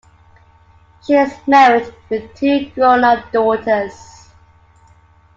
She is married with two grown-up daughters.